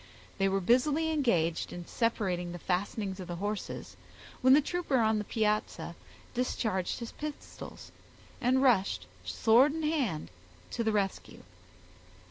They were busily engaged in separating the fastenings of the horses, when the trooper on the piazza discharged his pistols, and rushed, sword in hand, to the rescue.